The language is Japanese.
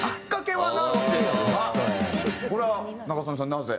これは仲宗根さんなぜ？